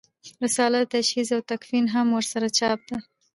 رساله تجهیز او تکفین هم ورسره چاپ ده.